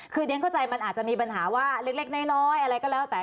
คือเรียนเข้าใจมันอาจจะมีปัญหาว่าเล็กน้อยอะไรก็แล้วแต่